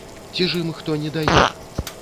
Ці ж ім хто не дае?